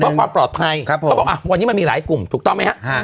เพราะความปลอดภัยวันนี้มันมีหลายกลุ่มถูกต้องไหมครับ